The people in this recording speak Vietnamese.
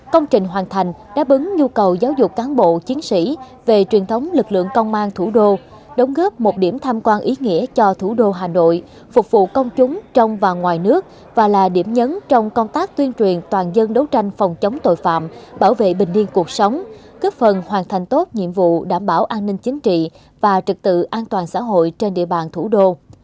công trình hoàn thành đã bứng nhu cầu giáo dục cán bộ chiến sĩ về truyền thống lực lượng công an thủ đô đóng góp một điểm tham quan ý nghĩa cho thủ đô hà nội phục vụ công chúng trong và ngoài nước và là điểm nhấn trong công tác tuyên truyền toàn dân đấu tranh phòng chống tội phạm bảo vệ bình yên cuộc sống cướp phần hoàn thành tốt nhiệm vụ đảm bảo an ninh chính trị và trực tự an toàn xã hội trên địa bàn thủ đô